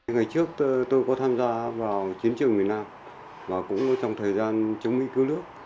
ngày trước tôi có tham gia vào chiến trường miền nam và cũng trong thời gian chống mỹ cứu nước